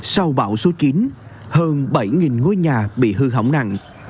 sau bão số chín hơn bảy ngôi nhà bị hư hỏng nặng